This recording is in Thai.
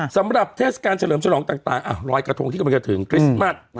เทศกาลเฉลิมฉลองต่างรอยกระทงที่กำลังจะถึงคริสต์มัส